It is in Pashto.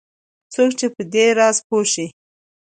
څوک چې په دې راز پوه شي